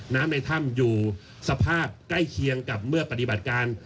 ในถ้ำอยู่สภาพใกล้เคียงกับเมื่อปฏิบัติการ